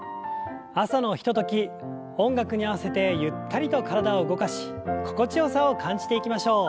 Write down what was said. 朝のひととき音楽に合わせてゆったりと体を動かし心地よさを感じていきましょう。